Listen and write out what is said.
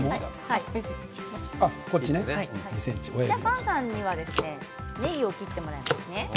ファンさんにはねぎを切ってもらいますね。